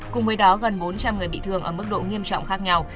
cùng với đó gần bốn trăm linh người bị thương ở mức độ nghiêm trọng khác nhau